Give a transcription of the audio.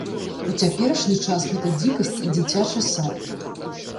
У цяперашні час гэта дзікасць і дзіцячы сад.